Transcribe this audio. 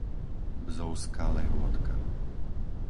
Bzovská Lehôtka